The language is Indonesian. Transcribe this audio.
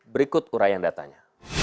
berikut urayan datanya